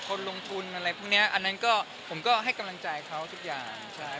คนลงทุนอะไรพวกนี้อันนั้นก็ผมก็ให้กำลังใจเขาทุกอย่างใช่